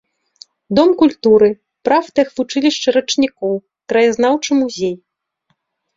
Дом культуры, прафтэхвучылішча рачнікоў, краязнаўчы музей.